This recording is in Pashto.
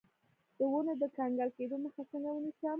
د ونو د کنګل کیدو مخه څنګه ونیسم؟